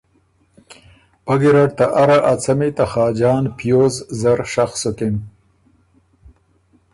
پۀ ګیرډ ته اره ا څمی ته خاجان پیوز زر شخ سُکِن